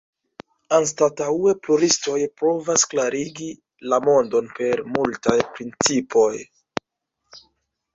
Anstataŭe pluristoj provas klarigi la mondon per multaj principoj.